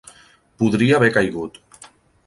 Podria haver caigut.